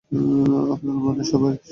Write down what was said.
আপনারা মানে সবাই।